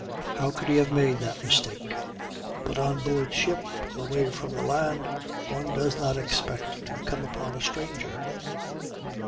How could he have made that mistake? But on board ship away from the land one does not expect to come upon a stranger.